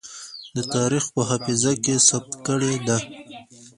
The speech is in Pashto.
د تاريخ په حافظه کې ثبت کړې ده.